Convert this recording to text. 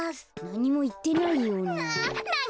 なにもいってないような。